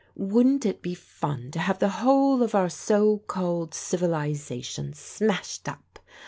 Wouldn't it be fun to have the whole of our so called civilization smashed up!